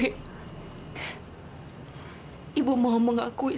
kemudian ibu juga saya memang lupa achieving